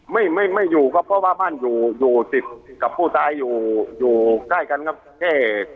ไม่ไม่อยู่ครับเพราะว่าบ้านอยู่อยู่ติดกับผู้ตายอยู่อยู่ใกล้กันครับแค่